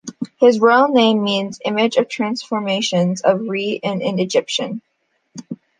His royal name means "Image of the transformations of Re" in Egyptian.